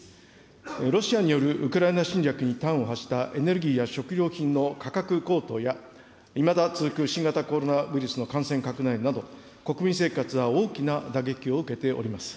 ロシアによるウクライナ侵略に端を発したエネルギーや食料品の価格高騰や、いまだ続く新型コロナウイルスの感染拡大など、国民生活は大きな打撃を受けております。